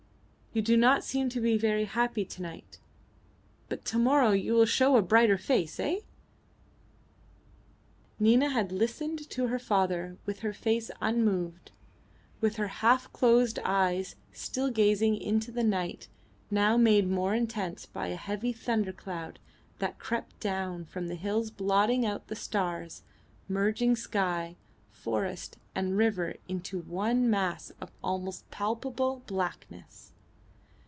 "You do not seem to be very happy to night, but to morrow you will show a brighter face. Eh?" Nina had listened to her father with her face unmoved, with her half closed eyes still gazing into the night now made more intense by a heavy thunder cloud that had crept down from the hills blotting out the stars, merging sky, forest, and river into one mass of almost palpable blackness.